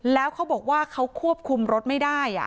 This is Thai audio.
แล้วเขาบอกว่าเขาควบคุมรถไม่ได้